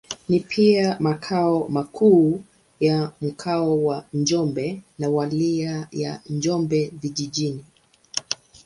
Ni pia makao makuu ya Mkoa wa Njombe na Wilaya ya Njombe Vijijini.